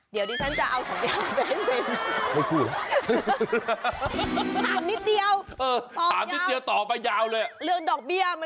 เดี๋ยวดิฉันจะเอา๒ต่อไปให้เตรียม